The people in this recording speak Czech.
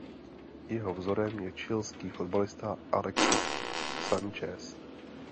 Jeho vzorem je chilský fotbalista Alexis Sánchez.